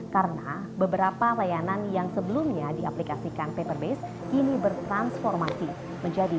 karena beberapa layanan yang sebelumnya diaplikasikan paper based kini bertransformasi